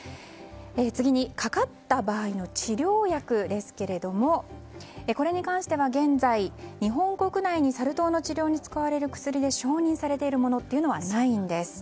次にかかった場合の治療薬ですがこれに関しては現在、日本国内にサル痘の治療に使われる薬で承認されているものはないんです。